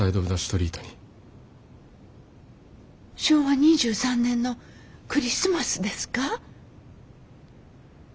昭和２３年のクリスマスですか？